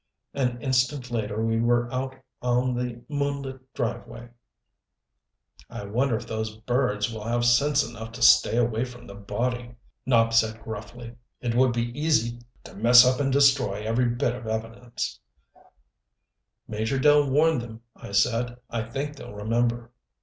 An instant later we were out on the moonlit driveway. "I wonder if those birds will have sense enough to stay away from the body," Nopp said gruffly. "It would be easy to mess up and destroy every bit of evidence " "Major Dell warned them," I said. "I think they'll remember."